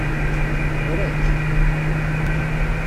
Tra-k!